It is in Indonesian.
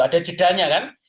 ada jedanya kan